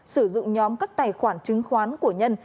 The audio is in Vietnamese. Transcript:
sử dụng nhóm các tài khoản chứng khoán của nhân